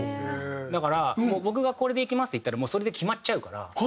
だからもう僕が「これでいきます」って言ったらもうそれで決まっちゃうから。